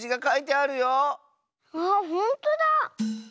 あほんとだ。